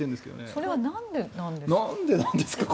それはなんでなんですか？